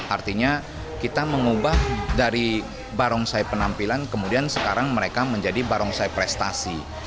artinya kita mengubah dari barongsai penampilan kemudian sekarang mereka menjadi barongsai prestasi